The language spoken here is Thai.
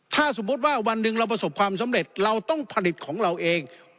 ถ้าสมมุติว่าวันหนึ่งเราประสบความสำเร็จเราต้องผลิตของเราเอง